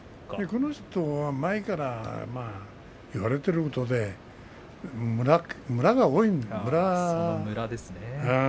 この人は前から言われていることでムラが多いんだよね。